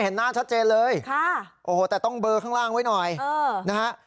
เห็นหน้าชัดเจนเลยค่ะโอ้โหแต่ต้องเบอร์ข้างล่างไว้หน่อยนะฮะ